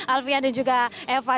alvian dan juga eva